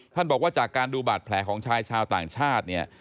ท่านบอกว่าจากการดูบาดแผลของชายชาวต่างชาติ